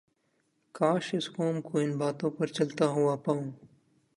کاش اس قوم کو ان باتوں پر چلتا ھوا پاؤں